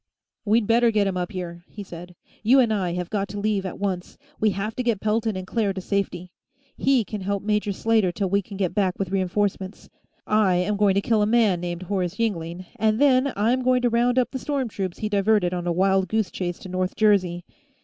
"We'd better get him up here," he said. "You and I have got to leave, at once; we have to get Pelton and Claire to safety. He can help Major Slater till we can get back with re enforcements. I am going to kill a man named Horace Yingling, and then I'm going to round up the storm troops he diverted on a wild goose chase to North Jersey."